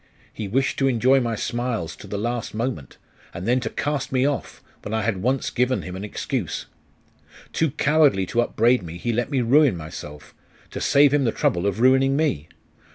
He wished to enjoy my smiles to the last moment, and then to cast me off, when I had once given him an excuse.... Too cowardly to upbraid me, he let me ruin myself, to save him the trouble of ruining me.